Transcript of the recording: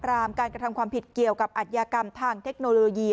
รามการกระทำความผิดเกี่ยวกับอัธยากรรมทางเทคโนโลยี